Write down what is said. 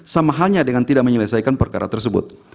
sama halnya dengan tidak menyelesaikan perkara tersebut